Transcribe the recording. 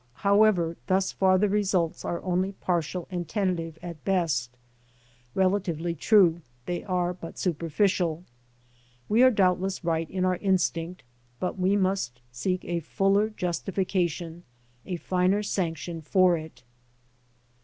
However, thus far the results are only partial and tentative at best ; relatively true, they are but superficial. We are doubtless right in our instinct, but we must seek a fuller justification, a finer sanction, for it.